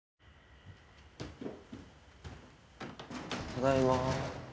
ただいま。